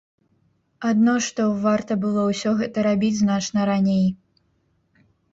Адно што варта было ўсё гэта рабіць значна раней.